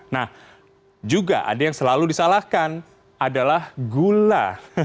nah juga ada yang selalu disalahkan adalah gula